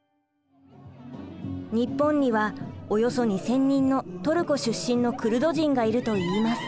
日本にはおよそ２，０００人のトルコ出身のクルド人がいるといいます。